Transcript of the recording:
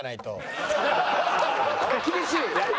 手厳しい！